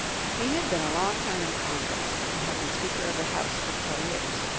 He had been a long time in Congress, and had been Speaker of the House for four years.